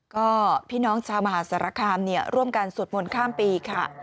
ก็พี่น้องชาวมหาสารคามร่วมกันสวดมนต์ข้ามปีค่ะ